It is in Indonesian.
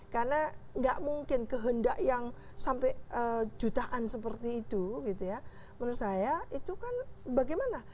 karena tidak mungkin kehendak yang sampai jutaan seperti itu menurut saya itu kan bagaimana